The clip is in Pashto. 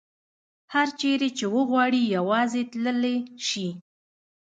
هر چیرې چې وغواړي یوازې تللې شي.